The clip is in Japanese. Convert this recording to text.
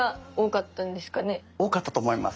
多かったと思います。